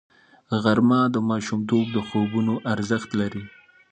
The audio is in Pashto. غرمه د ماشومتوب د خوبونو ارزښت لري